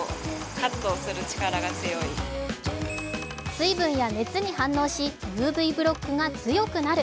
水分や熱に反応しＵＶブロックが強くなる。